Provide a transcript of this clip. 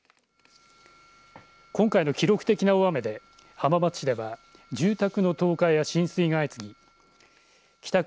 今回の記録的な大雨で浜松市では住宅の倒壊や浸水が相次ぎ北区